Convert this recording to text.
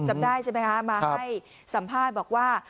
จำได้ใช่ไหมคะมาให้สัมภาษณ์บอกว่า